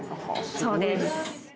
そうです。